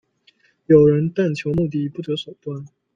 有人但求目的不择手段。